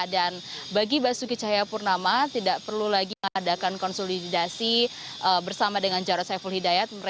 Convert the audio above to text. dan bagi basuki cahaya purnama tidak perlu lagi mengadakan konsolidasi bersama dengan jarot saiful hidayat